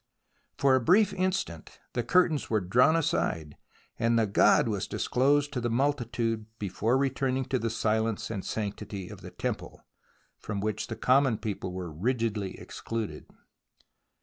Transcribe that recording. For a brief instant the curtains were drawn aside, and the god was disclosed to the multitude before returning to the silence and sanctity of the temple, from which the common people were rigidly excluded.